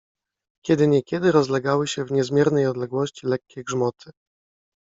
Kiedy niekiedy rozlegały się w niezmiernej odległości lekkie grzmoty.